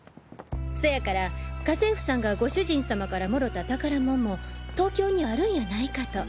そやから家政婦さんが御主人様からもろた宝物も東京にあるんやないかと。